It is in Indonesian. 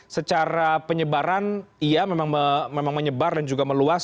secara penyebaran iya memang menyebar dan juga meluas